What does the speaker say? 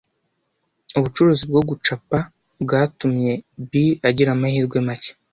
Ubucuruzi bwo gucapa bwatumye Bill agira amahirwe make.